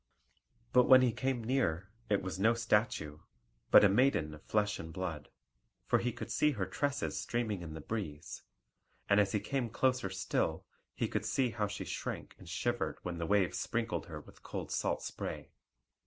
But when he came near, it was no statue, but a maiden of flesh and blood; for he could see her tresses streaming in the breeze; and as he came closer still, he could see how she shrank and shivered when the waves sprinkled her with cold salt spray.